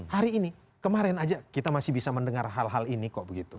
hari ini kemarin aja kita masih bisa mendengar hal hal ini kok begitu